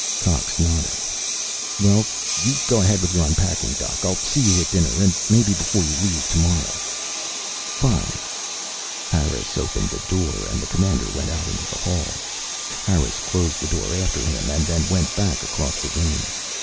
Cox nodded. "Well, you go ahead with your unpacking, Doc. I'll see you at dinner. And maybe before you leave, tomorrow." "Fine." Harris opened the door and the Commander went out into the hall. Harris closed the door after him and then went back across the room.